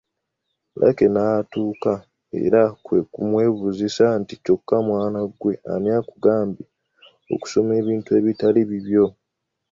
Lucky n’atuuka era kwe kumwebuuzisa nti, ”Kyokka mwana ggwe ani akugambye okusoma ebintu ebitali bibyo".